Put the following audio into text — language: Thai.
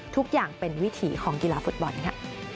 ทุกอย่างเป็นวิถีของกีฬาฟุตบอลค่ะ